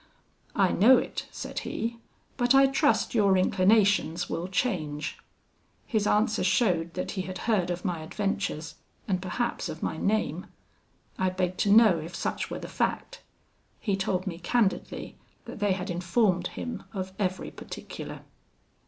'I know it,' said he, 'but I trust your inclinations will change.' His answer showed that he had heard of my adventures, and perhaps of my name. I begged to know if such were the fact. He told me candidly that they had informed him of every particular.